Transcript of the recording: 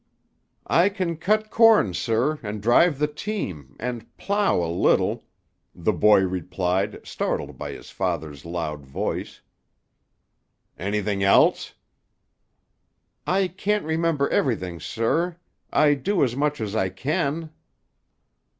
"I can cut corn, sir, and drive the team, and plough a little," the boy replied, startled by his father's loud voice. "Anything else?" "I can't remember everything, sir. I do as much as I can."